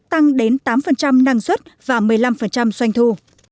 trí tuệ nhân tạo ai sẽ giúp tăng đến tám năng suất và một mươi năm doanh thu